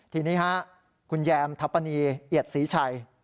ทีนี้คุณแยมทัพปณีเอียดศรีชัย